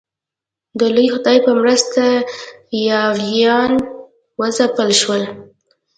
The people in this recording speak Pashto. د لوی خدای په مرسته یاغیان وځپل شول.